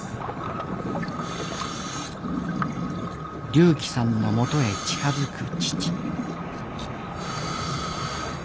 龍希さんの元へ近づく父。